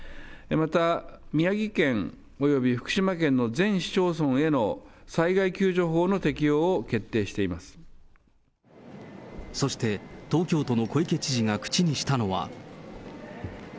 また宮城県および福島県の全市町村への災害救助法の適用を決定しそして、東京都の小池知事が口にしたのは。